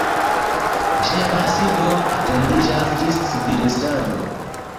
Ĝia masivo etendiĝas ĝis Svislando.